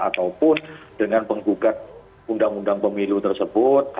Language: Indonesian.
ataupun dengan penggugat undang undang pemilu tersebut